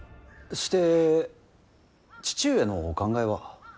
して父上のお考えは。